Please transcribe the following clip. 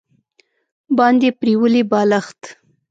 باندې پریولي بالښت